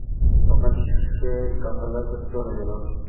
তখন সে কাফেলার সাথে চলে গেল।